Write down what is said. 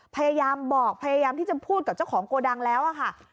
พยายามบอกพยายามที่จะพูดกับเจ้าของโกดังแล้วอะค่ะ